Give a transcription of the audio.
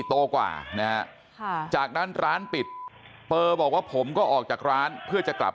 โตกว่านะฮะจากนั้นร้านปิดเปอร์บอกว่าผมก็ออกจากร้านเพื่อจะกลับ